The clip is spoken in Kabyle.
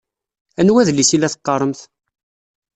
Anwa adlis i la teqqaṛemt?